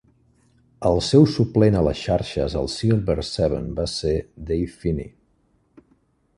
El seu suplent a les xarxes als Silver Seven va ser Dave Finnie.